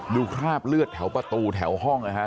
คราบเลือดแถวประตูแถวห้องนะฮะ